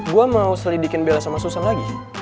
gue mau selidikin bela sama susan lagi